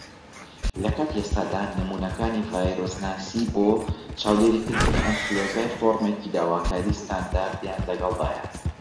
لە کاتی ئێستادا، نمونەکانی ڤایرۆسناسی بۆ چاودێریکردنی ئەنفلوەنزا فۆرمێکی داواکار ستاندەریان لەگەڵدایە.